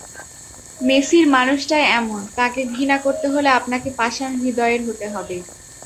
মেসির মানুষটাই এমন, তাঁকে ঘৃণা করতে হলে আপনাকে পাষাণ হৃদয়ের হতে হবে।